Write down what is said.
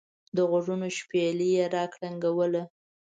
دغوږونو شپېلۍ را کرنګوله.